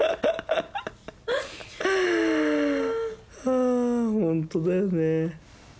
はあ本当だよね。